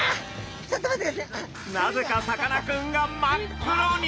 なぜかさかなクンが真っ黒に！